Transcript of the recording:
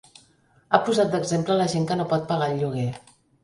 Ha posat d’exemple la gent que no pot pagar el lloguer.